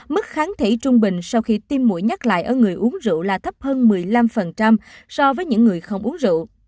mức kháng thể trung bình sau khi tiêm mũi nhắc lại ở người uống rượu là thấp hơn một mươi năm so với những người không uống rượu